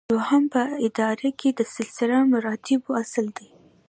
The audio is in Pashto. دوهم په اداره کې د سلسله مراتبو اصل دی.